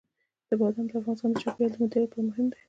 بادام د افغانستان د چاپیریال د مدیریت لپاره مهم دي.